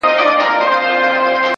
زما دردونه د دردونو ښوونځی غواړي ـ